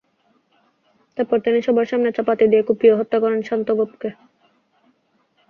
তারপর তিনি সবার সামনে চাপাতি দিয়ে কুপিয়ে হত্যা করেন শান্ত গোপকে।